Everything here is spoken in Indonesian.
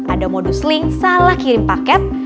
ada modus link salah kirim paket